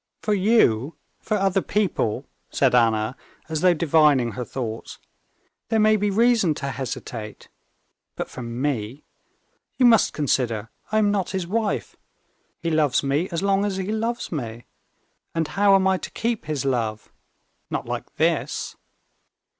"For you, for other people," said Anna, as though divining her thoughts, "there may be reason to hesitate; but for me.... You must consider, I am not his wife; he loves me as long as he loves me. And how am I to keep his love? Not like this!"